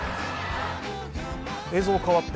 映像変わって、